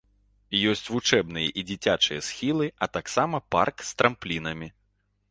Есць вучэбныя і дзіцячыя схілы, а таксама парк з трамплінамі.